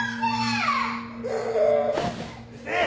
うるせえ！